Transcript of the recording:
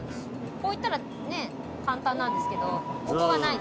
こう行ったら簡単なんですけどここがない。